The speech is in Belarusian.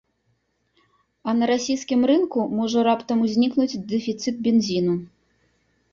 А на расійскім рынку можа раптам узнікнуць дэфіцыт бензіну.